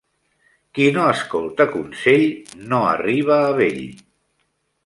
Qui no escolta consell no arriba a vell.